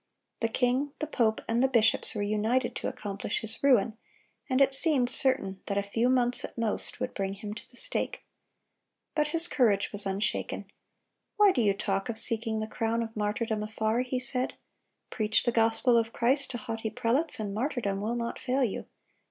The king, the pope, and the bishops were united to accomplish his ruin, and it seemed certain that a few months at most would bring him to the stake. But his courage was unshaken. "Why do you talk of seeking the crown of martyrdom afar?" he said. "Preach the gospel of Christ to haughty prelates, and martyrdom will not fail you.